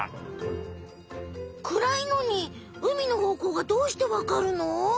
暗いのに海の方向がどうしてわかるの？